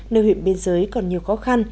nơi huyện biên giới còn nhiều khó khăn